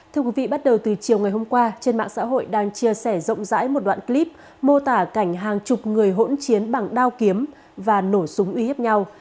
thưa quý vị bắt đầu từ chiều ngày hôm qua trên mạng xã hội đang chia sẻ rộng rãi một đoạn clip mô tả cảnh hàng chục người hỗn chiến bằng đao kiếm và nổ súng uy hiếp nhau